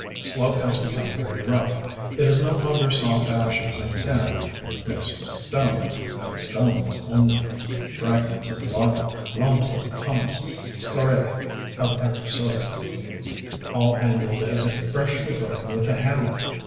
Slope has become very rough. It is no longer soft ashes and sand mixed with stones, but stones only, fragments of lava, lumps of pumice, scori├" of every sort, all angled as if freshly broken with a hammer.